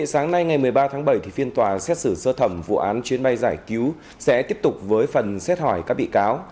sáng nay ngày một mươi ba tháng bảy phiên tòa xét xử sơ thẩm vụ án chuyến bay giải cứu sẽ tiếp tục với phần xét hỏi các bị cáo